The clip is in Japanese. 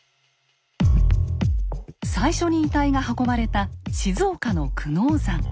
最初に遺体が運ばれた静岡の久能山。